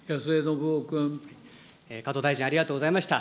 加藤大臣、ありがとうございました。